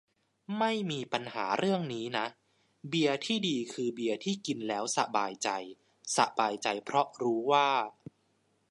ไม่มีปัญหาเรื่องนี้นะ เบียร์ที่ดีคือเบียร์ที่กินแล้วสบายใจ สบายใจเพราะรู้ว่า